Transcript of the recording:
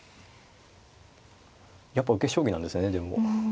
やっぱ受け将棋なんですねでも。